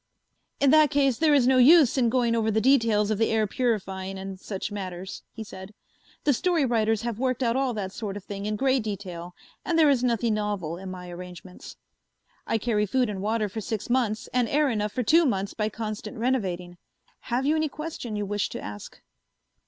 "In that case there is no use in going over the details of the air purifying and such matters," he said. "The story writers have worked out all that sort of thing in great detail, and there is nothing novel in my arrangements. I carry food and water for six months and air enough for two months by constant renovating. Have you any question you wish to ask?"